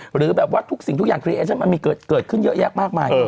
หรือแบบว่าทุกสิ่งทุกอย่างครีเอชั่นมันมีเกิดขึ้นเยอะแยะมากมาย